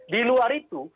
di luar itu